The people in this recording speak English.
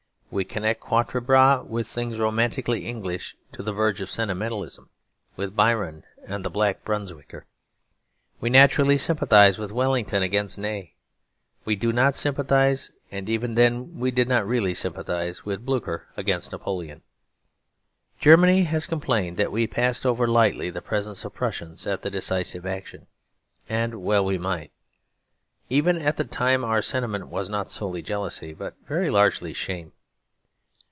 We connect Quatre Bras with things romantically English to the verge of sentimentalism, with Byron and "The Black Brunswicker." We naturally sympathise with Wellington against Ney. We do not sympathise, and even then we did not really sympathise, with Blucher against Napoleon. Germany has complained that we passed over lightly the presence of Prussians at the decisive action. And well we might. Even at the time our sentiment was not solely jealousy, but very largely shame.